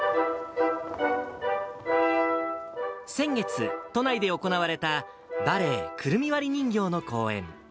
先月、都内で行われたバレエ、くるみ割り人形の公演。